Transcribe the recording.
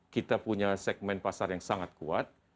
kita punya segmen pasar yang sangat kuat